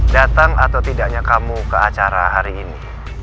datang atau tidaknya kamu ke acara hari ini